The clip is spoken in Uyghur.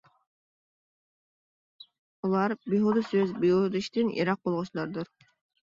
ئۇلار بىھۇدە سۆز، بىھۇدە ئىشتىن يىراق بولغۇچىلاردۇر.